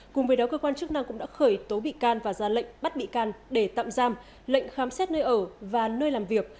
cùng với đó cơ quan chức năng cũng đã khởi tố bị can và ra lệnh bắt bị can để tạm giam lệnh khám xét nơi ở và nơi làm việc